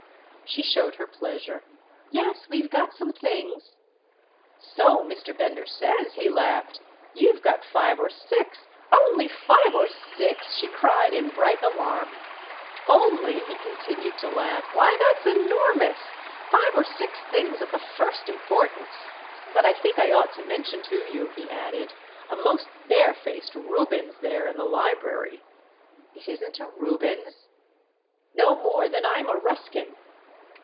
She showed her pleasure. "Yes, we've got some things." "So Mr. Bender says!" he laughed. "You've got five or six—" "Only five or six?" she cried in bright alarm. "'Only'?" he continued to laugh. "Why, that's enormous, five or six things of the first importance! But I think I ought to mention to you," he added, "a most barefaced 'Rubens' there in the library." "It isn't a Rubens?" "No more than I'm a Ruskin."